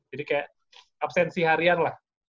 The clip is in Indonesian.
jadi kayak absensi harian lah